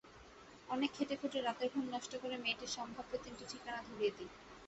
অনেক খেটেখুটে, রাতের ঘুম নষ্ট করে মেয়েটির সম্ভাব্য তিনটি ঠিকানা ধরিয়ে দিই।